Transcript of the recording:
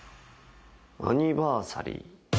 アニバーサリー。